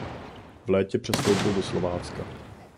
V létě přestoupil do Slovácka.